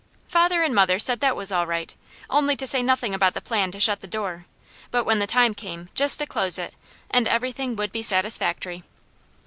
Father and mother said that was all right, only to say nothing about the plan to shut the door; but when the time came just to close it and everything would be satisfactory.